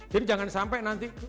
jadi jangan sampai nanti